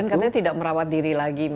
dan katanya tidak merawat diri lagi misalnya